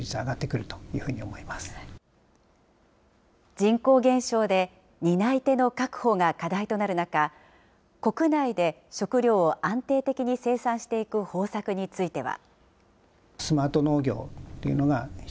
人口減少で担い手の確保が課題となる中、国内で食料を安定的に生産していく方策については。